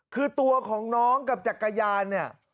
คือตัวของน้องกับจักรยานเนี่ย